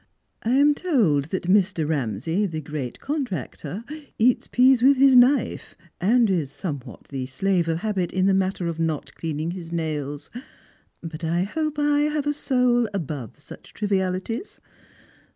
" I am told that Mr. Ramsay, the great contractor, eats peas with his knife, and is somewhat the slave of habit in the matter of not cleaning his nails. But I hope I have a soul above such trivialities.